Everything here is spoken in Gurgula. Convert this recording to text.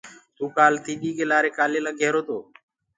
تو ڪآل تيڏي ڪي لآري ڪآلي لگرهيرو تو۔